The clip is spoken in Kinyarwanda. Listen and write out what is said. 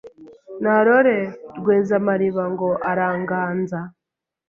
Narore Rwezamariba ngo aranganza